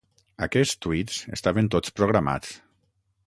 Aquests tuits estaven tots programats.